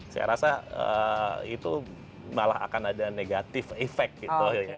saya rasa itu malah akan ada negatif effect gitu